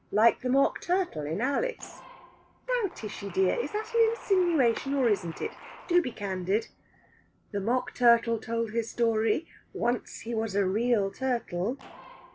"Like the mock turtle in Alice?" "Now, Tishy dear, is that an insinuation, or isn't it? Do be candid!" "The mock turtle told his story. Once, he was a real turtle."